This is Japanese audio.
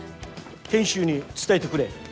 賢秀に伝えてくれ。